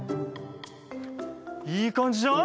いい感じじゃん。